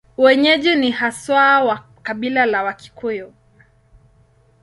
Wenyeji ni haswa wa kabila la Wakikuyu.